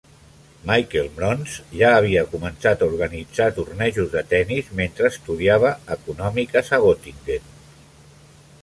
Michael Mronz ja havia començat a organitzar tornejos de tennis mentre estudiava Econòmiques a Gottingen.